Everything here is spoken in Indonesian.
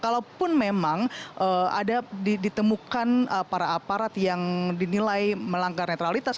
kalaupun memang ada ditemukan para aparat yang dinilai melanggar netralitas